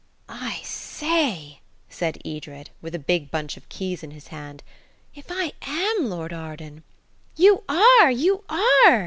"I say," said Edred, with the big bunch of keys in his hand,–"if I am Lord Arden!" "You are! you are!"